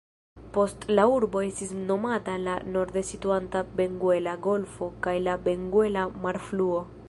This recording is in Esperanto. Post la urbo estis nomata la norde situanta Benguela-golfo kaj la Benguela-marfluo.